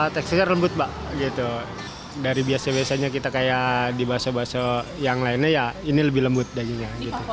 tekstilnya lembut dari biasa biasanya kita kayak di bakso bakso yang lainnya ya ini lebih lembut dagingnya